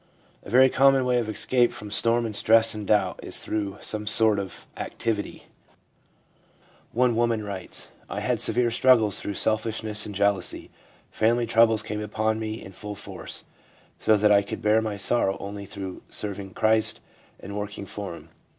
A very common way of escape from storm and stress and doubt is through some sort of activity. One woman ADULT LIFE— PERIOD OF RECONSTRUCTION 285 writes: 'I had severe struggles through selfishness and jealousy. Family troubles came upon me in full force, so that I could bear my sorrow only through serving Christ and working for Him.